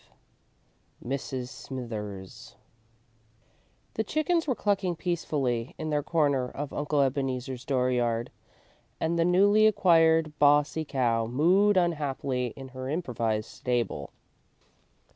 V Mrs. Smithers The chickens were clucking peacefully in their corner of Uncle Ebeneezer's dooryard, and the newly acquired bossy cow mooed unhappily in her improvised stable.